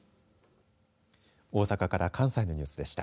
大阪から関西のニュースでした。